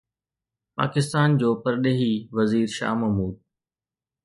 پاڪستان جو پرڏيهي وزير شاهه محمود